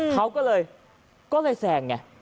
เขาก็เลยแซงไง